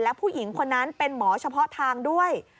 และผู้หญิงคนนั้นเป็นหมอเฉพาะทางด้วย